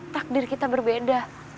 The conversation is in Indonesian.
takdir kita berbeda